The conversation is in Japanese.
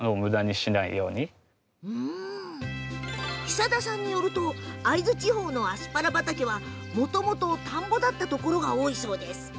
久田さんによると会津地方のアスパラ畑はもともと田んぼだったところが多いそうです。